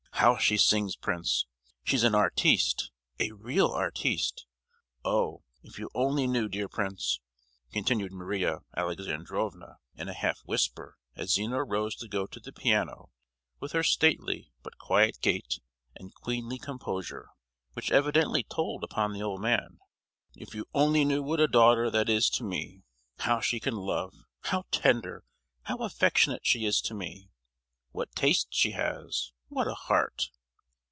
How she sings, prince! she's an artiste—a real artiste; oh if you only knew, dear prince," continued Maria Alexandrovna, in a half whisper, as Zina rose to go to the piano with her stately but quiet gait and queenly composure, which evidently told upon the old man; "if you only knew what a daughter that is to me! how she can love; how tender, how affectionate she is to me! what taste she has, what a heart!"